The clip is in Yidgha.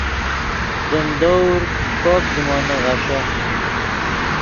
دیم دور کوب زیمونے غیݰے